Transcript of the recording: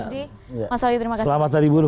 selamat hari buruh itu langsung selamat hari buruh